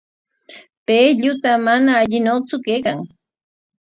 Pay lluta mana allikunatraw kaykan.